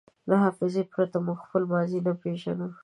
له حافظې پرته موږ خپله ماضي نه پېژنو.